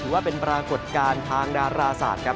ว่าเป็นปรากฏการณ์ทางดาราศาสตร์ครับ